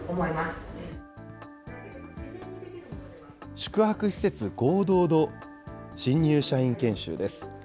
宿泊施設合同の新入社員研修です。